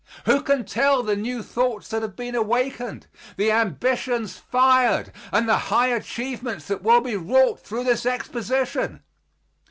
Who can tell the new thoughts that have been awakened, the ambitions fired and the high achievements that will be wrought through this Exposition?